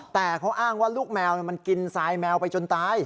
แต่เขาอ้างว่าลูกแมวมันกินทรายแมวไปจนตาย